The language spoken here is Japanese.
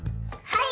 はい！